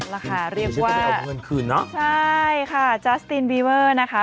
แล้วค่ะเรียกว่าเอาเงินคืนนะใช่ค่ะนะคะ